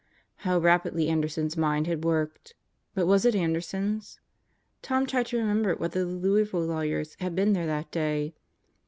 How rapidly Anderson's mind had worked! But was it Anderson's? Tom tried to remember whether the Louisville lawyers had been there that day.